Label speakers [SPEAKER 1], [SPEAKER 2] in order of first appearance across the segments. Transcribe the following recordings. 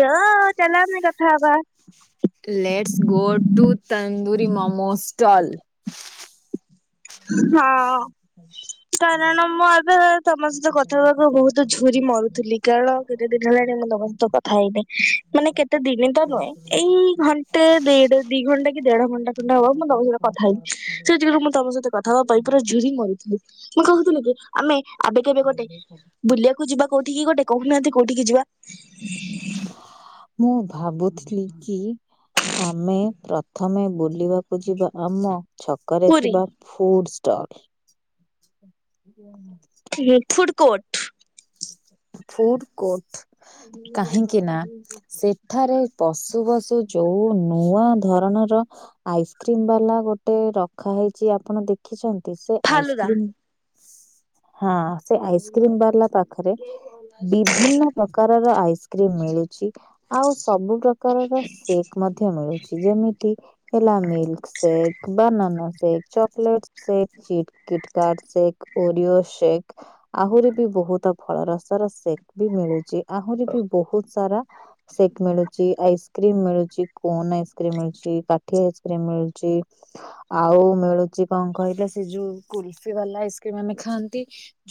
[SPEAKER 1] ର ଚାଲାମେ କଥା ହବା
[SPEAKER 2] let's go to tandoori momo stall
[SPEAKER 1] ହଁ।
[SPEAKER 2] ହ
[SPEAKER 1] କାରଣ ମୁଁ ଏବେ ତମ ସହିତ କଥାହବାକୁ ବହୁତ ଝୁରି ମରୁଥିଲି କାରଣ କେତେ ଦିନ ହେଲାଣି ମୁଁ ତମ ସହିତ କଥା ହେଇନାହିଁ ମାନେ କେତେ ଦିନି ତ ନୁହେଁ ଏଇ ଘନ ଣ୍ଟେ ତେଢ ଦି ଘଣ୍ଟା କି ଦେଢ ଘଣ୍ଟା ଖଣ୍ଡେ ହବ ମୁଁ ତମ ସହିତ କଥା ହେବି ସେଥିୁରୁ ମୁଁ ତମ ସହିତ ପ୍ରଥମ ପାଇପ୍ ରେ ଝୁରି ମରୁଥିଲି ମୁଁ କହୁଥିଲି କି ଆମେ ଆବେ କେବେ ଗୋଟେ ବୁଲିଆକୁ ଯିବା କୋଉଠିକି ଗୋଟେ କହୁନାହାନ୍ତି କୋଉଠିକି ଯିବା?
[SPEAKER 2] ମୁଁ ଭାବୁଥିଲି କି ଆମେ ପ୍ରଥମେ ବୁଲିବାକୁ ଯିବା ଆମ ଛକରେ
[SPEAKER 1] ପୁରୀ
[SPEAKER 2] ଥିବା food stall
[SPEAKER 1] street food court.
[SPEAKER 2] Food court କାହିଁକି ନା ସେଠାରେ ପଶୁ ପଶୁ ଯୋଉ ନୂଆ ଧରଣର ଆଇସ୍କ୍ରିମବାଲା ଗୋଟେ ରଖା ହେଇଛି ଆପଣ ଦେଖ ଦେଖିଛନ୍ତି ସେ
[SPEAKER 1] ଫାଲୁଦା
[SPEAKER 2] ଆଇସ୍କ୍ରିମ, ହଁ ସେ ଆଇସ୍କ୍ରିମବାଲା ପାଖରେ ବିଭିନ୍ନ ପ୍ରକାରର ଆଇସ୍କ୍ରିମ ମିଳୁଛି ଆଉ ସବୁ ପ୍ରକାରର ସେକ୍ ମଧ୍ୟ ମିଳୁଛି ଯେମିତି ହେଲା milk shake banana shake chocolate shake ଚିଟ କିଟକାଟ ସେକ୍, ଓରିଓ ସେକ୍ ଆହୁରି ବି ବହୁତ ଫଳରସର ସେକ୍ ବି ମିଳୁଛି ଆହୁରି ବି ବହୁତ ସାରା ସେକ୍ ମିଳୁଛି ଆଇସ୍କ୍ରି କ୍ରିମ୍ ମିଳୁଛି କୋନ ଆଇସ୍କ୍ରିମ ମିଳୁଛି କାଠି ଆଇସ୍କ୍ରିମ ମିଳୁଛି ଆଉ ମିଳୁଛି କଣ କହିଲେ ସେ ଯୋଉ କୁଲଫି ବାଲା ଆଇକ୍ରିମ ଆମେ ଖାଆନ୍ତି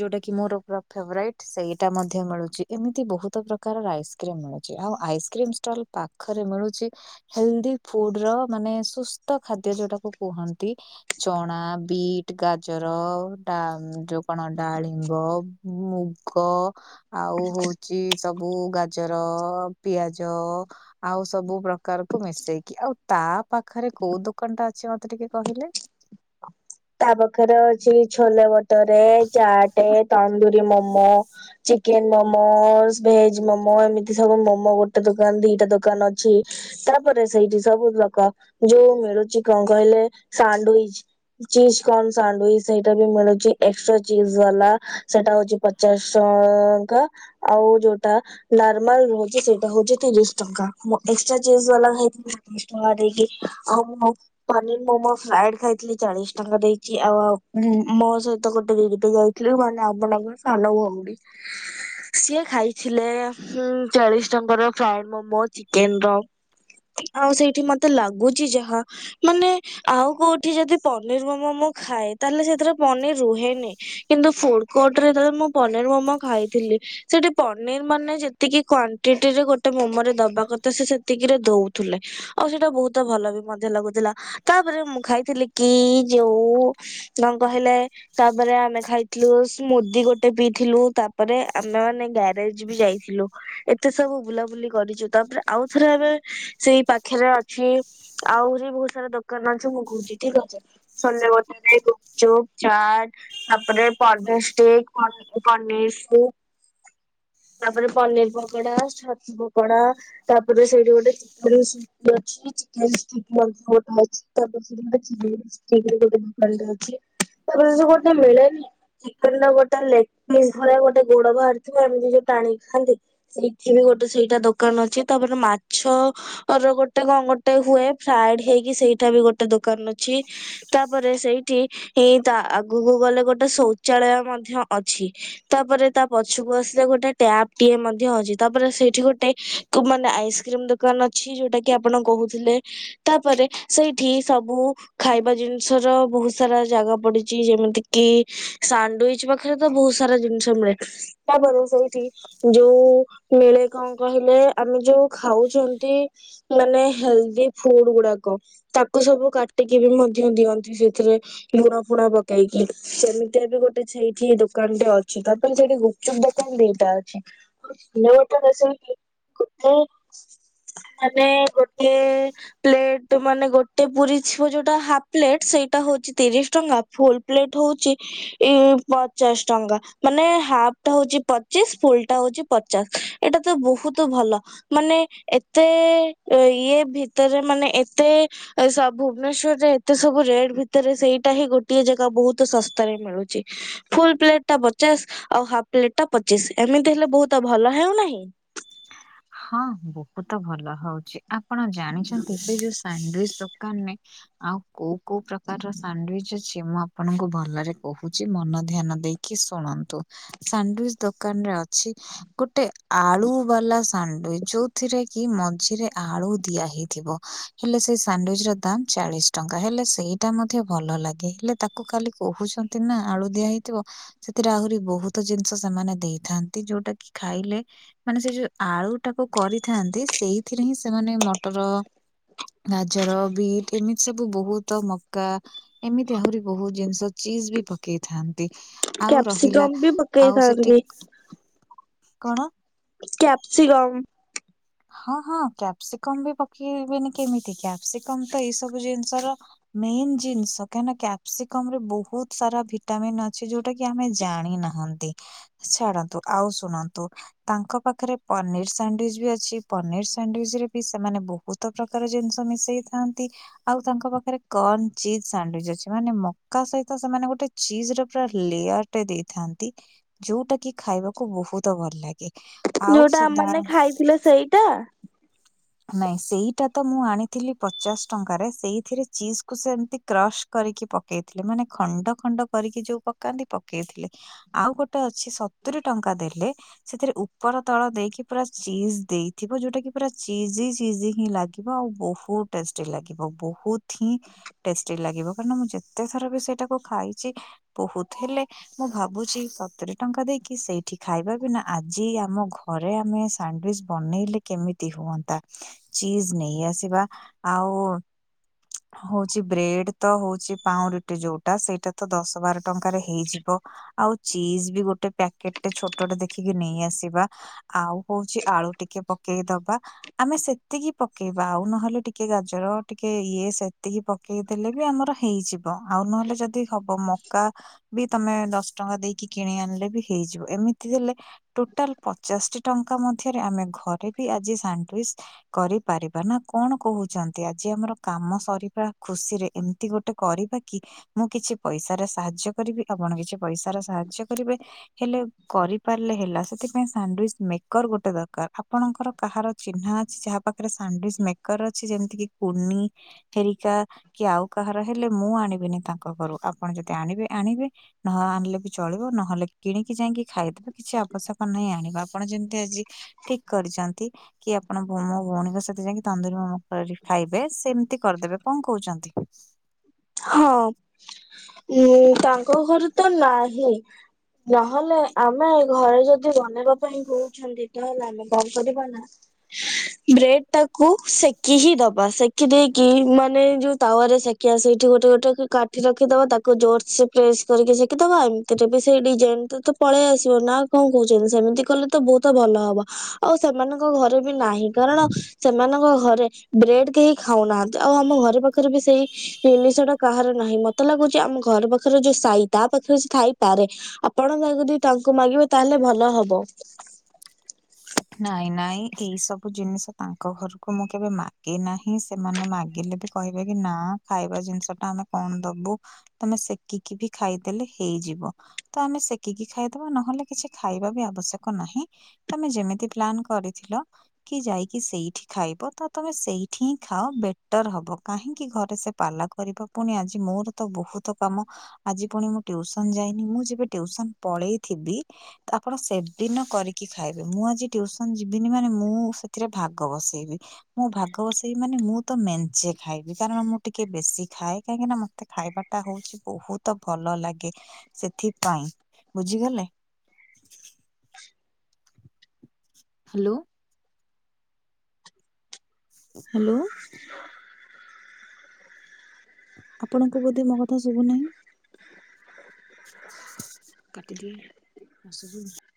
[SPEAKER 2] ଯୋଉଟା କି ମୋର ପୁରା ଫେଭରାଇଟ। ସେଇଟା ମଧ୍ୟ ମିଳୁଛି ଏମିତି ବହୁତ ପ୍ରକାରର ଆଇସ୍କ୍ରିମ ମିଳୁଛି ଆଉ ଆଇସ୍କ୍ରିମ ଷ୍ଟଲ ପାଖରେ ମିଳୁଛି ହେଲଦି ଫୁଡର ମାନେ ସୁସ୍ଥ ଖାଦ୍ୟ ଯୋଉଟାକୁ କୁହନ୍ତି ଚଣା, ବିଟ୍, ଗାଜରା, ଡ଼ା ଯୋଉ କଣ ଡାଳିମ୍ବ ମୁଗ୍ ଗ ଆଉ ହଉଛି ସବୁ ଗାଜର, ପିଆଜ ଆଉ ସବୁ ପ୍ରକାରକୁ ମିଶେଇକି ଆଉ ତା ପାଖରେ କୋଉ ଦୋକାନଟା ଅଛି ମତେ ଟିକେ କହିଲେ
[SPEAKER 1] ତା ପାଖରେ ଅଛି ଛୋଲେ ଭଟୋରେ, ଚାଟେ ତନ୍ଦୁରୀ ମୋମୋ ଚିକେନ ମୋମୋସ, ଭେଜ ମୋମୋ ଏମିତି ସବୁ ମୋମୋ ଗୋଟେ ଦୋକାନ ଦିଟା ଦୋକାନ ଅଛି। ତାପରେ ସେଇଠି ସବୁ ଲୋକ ଯୋଉ ମିଳୁଛି କଣ କହିଲେ ସାଣ୍ଡଉଇଚ ଚିଜ କଣ ସାଣ୍ଡୁଇଚ ସେଇଟା ବି ମିଳୁଛି ଏକ୍ସଟ୍ରା ଚିଜ ବାଲା ସେଟା ହଉଛି ପଚ୍ ଚାଶ ଟଙ୍କା ଆଉ ଯୋଉଟା ନର୍ମାଲ ହଉଛି ସେଇଟା ହଉଛି ତିରିଶ ଟଙ୍କା ମୁଁ ଏକ୍ସଟ୍ରା ଚିଜ୍ ବାଲା ଖାଇଥିଲି। ଦଶ ଟଙ୍କା ଦେଇକି ଆଉ ମୁଁ ପନିର ମୋମୋ ଫ୍ରାଏଡ ଖାଇଥିଲି ଚାଳିଶ ଟଙ୍କା ଦେଇଚି। ଆଉ ଆଉ ମୋ ସହିତ ଗୋଟେ [unintelligible] ଯାଇଥିଲି ମାନେ [unintelligible] ସାନ ଭଉଣୀ ଟି ସିଏ ଖାଇଥିଲେ ଚାଳିଶ ଟଙ୍କାର ଫ୍ରାଏଡ ମୋମୋ। ଚିକେନ ର। ଆଉ ସେଇଠି ମତେ ଲାଗୁଛି ଯାହା ମାନେ ଆଉ କୋଉଠି ଯଦି ପନିର ମୋମୋ ମୁଁ ଖାଏ, ତାହେଲେ ସେଥିରେ ପନିର ରୁହେନି। କିନ୍ତୁ ଫୁଡ୍ କୋର୍ଟରେ ଯେତେବେଳେ ମୁଁ ପନିର ମୋମୋ ଖାଇଥିଲି ସେଠି ପନିର ମାନେ ଯେତିକି କ୍ୱାଣ୍ଟିଟି ରେ ଗୋଟେ ମୋମୋରେ ଦବା କଥା ସେ ସେତିକିରେ ଦଉଥିଲେ। ଆଉ ସେଇଟା ବହୁତ ଭଲ ବି ମଧ୍ୟ ଲାଗୁଥିଲା। ତାପରେ ମୁଁ ଖାଇଥିଲି କି ଯୋଉ କଣ କହିଲେ ତାପରେ ଆମେ ଖାଇଥିଲୁ ସ୍ମୁଦି ଗୋଟେ ପିଇଥିଲୁ। ତାପରେ ଆମେ ମାନେ ଗ୍ୟାରେଜ ବି ଯାଇଥିଲୁ। ଏତେ ସବୁ ବୁଲାବୁଲି କରିଚୁ। ତାପରେ ଆଉଥରେ ଆମେ ସେଇ ପାଖରେ ଅଛି ଆହୁରି ବହୁତ ସାରା ଦୋକାନ ଅଛି ମୁଁ କହୁଚି। ଠିକ ଅଛି। ଛୋଲେ ଭଟୁରେ, ଗୁପଚୁପ, ଚାଟ ତାପରେ ପନିିକ ଷ୍ଟିକ୍ ପନିର ଷ୍ଟିକ୍। ତାପରେ ପନିର ପକୋଡା, ଛତୁ ପକୋଡା। ତାପରେ ସେଇଠି ଗୋଟେ ଚିକେନ ସପ ଟେ ଅଛି। Chicken stick. [unintelligible] ଚିକେନ ଷ୍ଟିକ୍ ଗୋଟେ ଦୋକାନରେ ଅଛି। ତାପରେ ଯୋଉ ଗୋଟେ ମିଳେନି ଚିକେନ ର ଗୋଟେ ଲେଗପିସ ଭଳିଆ ଗୋଟେ ଗୋଡ ବାହାରିଥିବ ଏମିତି ଯୋଉ ଟାଣିକି ଖାଆନ୍ତି। ସେଇଠି ବି ଗୋଟେ ସେଇଟା ଦୋକାନ ଅଛି। ତାପରେ ମାଛ ତାର ଗୋଟେ କଣ ଗୋଟେ ହୁଏ ଫ୍ରାଏଡ ହେଇକି ସେଇଟା ବି ଗୋଟେ ଦୋକାନ ଅ ଅଛି। ତାପରେ ସେଇଠି ଏଇ ତା ଆଗକୁ ଗଲେ ଗୋଟେ ଶୌଚାଳୟ ମଧ୍ୟ ଅଛି। ତାପରେ ତା ପଛକୁ ଆସିଲେ ଗୋଟେ ଟ୍ୟାପ ଟିଏ ମଧ୍ୟ ଅଛି। ତାପରେ ସେଇଠି ଗୋଟେ ଟୁ ମାନେ ଆଇସ୍କ୍ରିମ ଦୋକାନ ଅଛି ଯୋଉଟା କି କି ଆପଣ କହୁଥିଲେ, ତାପରେ ସେଇଠି ସବୁ ଖାଇବା ଜିନିଷ ର ବହୁତ ସାରା ଜାଗା ପଡିଚି, ଯେମିତି କି ସାଣ୍ଡୁଇଚ ପାଖରେ ତ ବହୁତ ସାରା ଜିନିଷ ମିଳେ। ତାପରେ ସେଇଠି ଯୋଉ ମିଳେ କଣ କହିଲେ ଆମେ ଯୋଉ ଖାଉଛନ୍ତି ମାନେ ହେଲଦି ଫୁଡ ଗୁଡାକ। ତାକୁ ସବୁ କା ଟିକି ବି ମଧ୍ୟ ଦିଅନ୍ତି ସେଥିରେ। ଲୁଣ ଫୁଣ ପକେଇକି ସେମିତିଆ ବି ଗୋଟେ [unintelligible] ଦୋକାନଟେ ଅଛି। ଥିବା ପାଇଁ ଗୁପଚୁପ ଦୋକାନ ଦିଟା ଅଛି। [unintelligible] ମାନେ ଗୋଟେ ପ୍ଲେଟ ମାନେ ଗୋଟେ ପୁରୀ ଥିବ ଯୋଉଟା ହାପ୍ ପ୍ଲେଟ ସେଇଟା ହଉଛି ତିରିଶ ଟଙ୍କା। ଫୁଲ ପ୍ଲେଟ ହଉଚି ଇ ପଚାଶ ଟଙ୍କା। ମାନେ ହାଫ ଟା ହଉଛି ପଚିଶ ଫୁଲ ଟା ହଉଛି ପଚାଶ। ଏଇଟା ତ ବହୁତ ଭଲ। ମାନେ ଏତେ ଇଏ ଭିତରେ ମାନେ ଏତେ ସ ଭୁବନେଶ୍ବରରେ ଏତେ ସବୁ ରେଟ୍ ଭିତରେ ସେଇଟା ହିଁ ଗୋଟାଏ ଜାଗା ବହୁତ ଶସ୍ତାରେ ମିଳୁଚି। ଫୁଲ ପ୍ଲେଟ ଟା ପଚାଶ ଆଉ ହାଫ ପ୍ଲେଟ ଟା ପଚିଶ। ଏମିତି ହେଲେ ବହୁତ ଭଲ ହେଉନାହିଁ।
[SPEAKER 2] ହଁ ବହୁତ ଭଲ ହଉଚି। ଆପଣ ଜାଣିଛନ୍ତି ସେଇ ଯୋଉ ଶାଣ୍ଡଉଇଚ ସବୁ ଦୋକାନ ରେ ଆଉ କୋଉ କୋଉ ପ୍ରକାରର ସାଣ୍ଡଉଇଚ ଅଛି? କି ମୁଁ ଆପଣଙ୍କୁ ଭଲରେ କହୁଚି ମନ ଧ୍ୟାନ ଦେଇକି ଶୁଣନ୍ତୁ। ସାଣ୍ଡୱିଚ ଦୋକାନରେ ଅଛି ଗୋଟେ ଆଳୁ ବାଲା ସାଣ୍ଡୱିଚ ଯୋଉଥିରେ କି ମଝିରେ ଆଳୁ ଦିଆ ହେଇଥିବ। ହେଲେ ସେଇ ସାଣ୍ଡୱିଚ ର ଦାମ୍ ଚାଳିଶ ଟଙ୍କା। ହେଲେ ସେଇ ତା ମଧ୍ୟ ଭଲ ଲାଗେ। ହେଲେ ତାକୁ କାଲି କହୁଛନ୍ତି ନା ଆଳୁ ଦିଆ ହେଇଥିବ ସେଥିରେ ଆହୁରି ବହୁତ ଜିନିଷ ସେମାନେ ଦେଇଥାନ୍ତି। ଯୋଉଟା କି ଖାଇଲେ ମାନେ ସେ ଯୋଉ ଆଳୁ ଟାକୁ କରିଥାନ୍ତି ସେଇଥିରେ ହିଁ ସେମାନେ ମଟର ଗାଜର, ବିଟ ଏମିତି ସବୁ ବହୁତ ମକା ଏମିତି ଆହୁରି ବହୁତ ଜିନିଷ ଚିଜ ବି ପକେଇଥାନ୍ତି ଆଉ ରହିଲା
[SPEAKER 1] କ୍ୟାପ୍ସିକମ ବି
[SPEAKER 2] ଆଉ ସେଠି
[SPEAKER 1] ପକେଇଥାନ୍ତି
[SPEAKER 2] କଣ?
[SPEAKER 1] କ୍ୟାପସିଗମ୍।
[SPEAKER 2] ହଁ ହଁ କ୍ୟାପ୍ସିକମ ବି ପକେଇବେନି କେମିତି କ୍ୟାପ୍ସିକମ ତ ଏଇ ସବୁ ଜିନିଷର- ମେନ୍ ଜିନିଷ କାହିଁନା କ୍ୟାପସିକମ ରେ ବହୁତ ସାରା ଭିଟାମିନ୍ ଅଛି ଯୋଉ ଟାକି ଆମେ ଜାଣିନାହାନ୍ତି। ଛାଡନ୍ତୁ ଆଉ ଶୁଣନ୍ତୁ ତାଙ୍କ ପାଖରେ ପନିର ସାଣ୍ଡିଚ ବି ଅ ଛି ପନିର ସାଣ୍ଡିଚ ରେ ବି ସେମାନେ ବହୁତ ପ୍ରକାର ଜିନିଷ ମିଶେଇ ଥାନ୍ତି। ଆଉ ତାଙ୍କ ପାଖରେ କନ୍ ଚିଜ୍ ଶାଣ୍ଡଉଇଚ୍ ଅଛି ମାନେ ମକା ସହିତ ସେମାନେ ଗୋଟେ ଚିଜର ପୁରା ଲେଆର ଟେ ଦେଇଥାନ୍ତି ଯୋଉଟା କି ଖାଇବାକୁ ବହୁତ ଭଲ ଲାଗେ। ଆଉ
[SPEAKER 1] ଯୋଉଟା
[SPEAKER 2] ସେ ଦା
[SPEAKER 1] ଆମମାନେ ଖାଇଥିଲେ ସେଇଟା
[SPEAKER 2] ନାଇଁ ସେଇଟା ତ ମୁଁ ଆଣିଥିଲି ପଚାଶ ଟଙ୍କାରେ ସେଇଥିରେ ଚିଜକୁୁ ସେମତି କ୍ରସ କରିକି ପକେଇଥିଲେ ମାନେ ଖଣ୍ଡ ଖଣ୍ଡ କରିକି ଯୋଉ ପକାନ୍ତି ପକେଇଥିଲେ। ଆଉ ଗୋଟେ ଅଛି ସତୁରି ଟଙ୍କା ଦେଲେ ସେଥିରେ ଉପର ତଳ ଦେଇକି ପୁରା ଚିଜ ଦେଇଥିବ ଯୋଉଟା କି ପୁରା ଚିଜି ଚିଜି ହିଁ ଲାଗିବ ଆଉ ବହୁତ ଟେଷ୍ଟି ଲାଗିବ ବହୁତ ହିଁ ଟେଷ୍ଟି ଲାଗିବ କାରଣ ମୁଁ ଯେତେ ଥର ବି ସେଟାକୁ ଖାଇଛି ବହୁତ ହେଲେ ମୁଁ ଭାବୁଛି ସତୁରେ ଟଙ୍କା ଦେଇକି ସେଇଠି ଖାଇବା ବିନା ଆଜି ଆମ ଘ ପରେ ଆମେ ସାଣ୍ଡୱିଚ ବନେଇଲେ କେମି ତି ହୁଅନ୍ତା ଚିଜ ନେଇ ଆସିବା ଆଉ ହଉଛି ବ୍ରେଡ ତ ହଉଛି ପାଉଁରୁଟି ଯୋଉଟା ସେଇଟା ତ ଦଶ ବାର ଟଙ୍କାରେ ହେଇଯିବ। ଆଉ ଚିଜ ବି ଗୋଟେ ପ୍ୟାକେଟଟେ ଛୋଟଟେ ଦେଖିକି ନେଇ ଆସିବା। ଆଉ ହଉଛି ଆଳୁ ଟିକେ ପକେଇ ଦବା। ଆମେ ସେତିକି ପକେଇବା ଆଉ ନହେଲେ ଟିକେ ଗାଜର ଟିକେ ଇଏ ସେତିକି ପ ପକେଇ ଦେଲେ ବି ଆମର ହେଇଯିବ ଆଉ ନହେଲେ ଯଦି ହବ ମକା ବି ତମେ ଦଶ ଟଙ୍କା ଦେଇକି କିଣି ଆଣିଲେ ବି ହେଇଯିବ ଏମିତି ଦେଲେ ଟୋଟାଲ ପଚାଶଟି ଟଙ୍କା ମଧ୍ୟରେ ଆମେ ଘରେ ବି ଆଜି ସାଣ୍ଡଉଇଚ କରିପାରିବା ନା କଣ କହୁଛନ୍ତି ଆଜି ଆମର କାମ ସରିବା ଖୁସିରେ ଏମିତି ଗୋଟେ କରିବା କି ମୁଁ କିଛି ପଇସାରେ ସାହାଯ୍ୟ କରିବି ଆପଣ କିଛି ପଇସା ର ସାହାଯ୍ୟ କରିବେ। ହେଲେ କରିପାରିଲେ ହେଲା ସେଥିପାଇଁ ସାଣ୍ଡଉଇଚ ମେକର ଗୋଟେ ଦରକାର ଆପଣଙ୍କର କାହାର ଚିହ୍ନା ଅଛି ଯାହା ପାଖରେ ସାଣ୍ଡଉଇଚ ମେକର ଅଛି ଯେମିତି କି କୁନି ହେରିକା କି ଆଉ କାହାର ହେଲେ ମୁଁ ଆଣିବିନି ତାଙ୍କ ଘରୁ ଆପଣ ଯଦି ଆଣିବେ ଆଣିବେ। ନ ଆଣିଲେ ବି ଚଳିବ ନହେଲେ। କିଣିକି ଯାଇଁକି ଖାଇଦେବେ କିଛି ଆବଶ୍ୟକ ନାହିଁ ଆଣିବା ଆପଣ ଯେମିତି ଆଜି ଠିକ କରିଚନ୍ତି। କି ଆପଣ ମୋ ଭଉଣୀଙ୍କ ସହିତ ଯାଇକି ତନ୍ଦୁରୀ ମମୋ କରି ଖାଇବେ ସେମିତି କରିଦେବେ କଣ କହୁଚନ୍ତି?
[SPEAKER 1] ହଁ ଉଁ ତାଙ୍କ ଘରେ ତ ନାହିଁ। ନହେଲେ ଆମେ ଘରେ ଯଦି ବନେଇବା ପାଇଁ ହଉଚି ଛନ୍ତି ତାହେଲେ ଆମେ କଣ କରିବା ନା
[SPEAKER 2] [inaudible] [unintelligible]
[SPEAKER 1] ବ୍ରେଡ ଟାକୁ ସେକି ହି ଦବା ସେକି ଦେଇକି ମାନେ ଯୋଉ ତାୱାରେ ସେକିବା ସେଇ ଠି ଗୋଟେ ଗୋଟେ କାଠି ରଖିଦବା ତାକୁ ଜୋରସେ ପ୍ରେସ କରିକି ସେକିଦବା ଏମତିରେ ବି ସେଇ ଡିଜାଇନ ତ ପଳେଇ ଆସିବ ନା କଣ କହୁଛନ୍ତି ସେମିତି କଲେ ତ ବହୁତ ଭଲ ହବ। ଆଉ ସେମାନଙ୍କ ଘରେ ବି ନାହିଁ କାରଣ ସେମାନଙ୍କ ଘରେ ବ୍ରେଡ କେହି ଖାଉନାହାନ୍ତି। ତ ଆଉ ଆମ ଘର ପାଖରେ ବି ସେଇ ଜିନିଷ ଟା କାହାର ନାହିଁ ମତେ ଲାଗୁଛି ଆମ ଘର ପାଖରେ ଜିଏ ସାଇ ତା ପାଖରେ ସେ ଥାଇପାରେ। ଆପଣ କାହା କତିକି ଯଦି ତାଙ୍କୁ ମାଗିବେ ତାହେଲେ ଭଲ ହବ।
[SPEAKER 2] ନାଇଁ ନାଇଁ ଏଇ ସବୁ ଜିନିଷ ତାଙ୍କ ଘରକୁ ମୁଁ କେବେ ମାଗି ନାହିଁ ସେମାନେ ମାଗିଲେ ବି କହିବେ କି ନା ଖାଇବା ଜିନିଷ ଟା ଆମେ କଣ ଦବୁ। ତମେ ସେକିକି ବି ଖାଇଦେଲେ ହେଇଯିବ। ତ ଆମେ ସେକିକି ଖାଇଦବା ନହେଲେ କିଛି ଖାଇବା ବି ଆବଶ୍ୟକ ନାହିଁ ତମେ ଯେମି କି ପ୍ଲାନ୍ କରିଥିଲ? କି ଯାଇକି ସେଇଠି ଖାଇବ, ତ ତମେ ସେଇଠି ହିଁ ଖାଅ ବେଟର ହବ। କାହିଁକି ଘରେ ସେ ପାଲା କରିବ, ପୁଣି ଆଜି ମୋର ତ ବହୁତ କାମ। ଆଜି ପୁଣି ମୁଁ ଟିଉସନ ଯାଇନି, ମୁଁ ଯେବେ ଟିଉସନ ପଳେଇଥିବି। ତ ଆପଣ ସେଦିନ କରିକି ଖାଇବେ। ମୁଁ ଆଜି ଟ୍ୟୁସନ ଯିବିନି ମାନେ, ମୁଁ ସେଥିରେ ଭାଗ ବସେଇବି। ମୁଁ ଭାଗ ବସେଇବି ମାନେ, ମୁଁ ତ ମେଞ୍ଚେ ଖାଇବି। କାରଣ ମୁଁ ଟିକେ ବେଶି ଖାଏ, କାହିଁକି ନା ମତେ ଖାଇବା ଟା ହଉଛି ବହୁତ ଭଲ ଲାଗେ, ସେଥିପାଇଁ ବୁଝିଗଲେ। ହ୍ୟାଲୋ। ହ୍ୟାଲୋ। ଆପଣଙ୍କୁ ବୋଧେ ମୋ କଥା ଶୁଭୁନାହିଁ? [unintelligible]